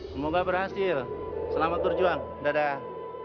semoga berhasil selamat berjuang dadah